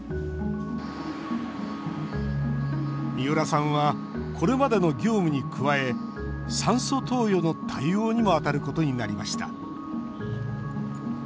三浦さんはこれまでの業務に加え酸素投与の対応にも当たることになりました。